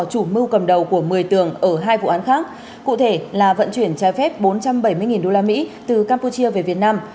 chủ mưu cầm đầu của một mươi tường ở hai vụ án khác cụ thể là vận chuyển trái phép bốn trăm bảy mươi usd từ campuchia về việt nam